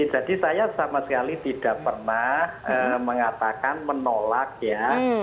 jadi saya sama sekali tidak pernah mengatakan menolak ya